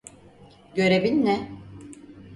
Görevin ne?